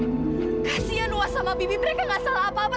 kasian wah sama bibi mereka gak salah apa apa